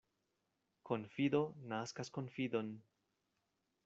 Konfido naskas konfidon.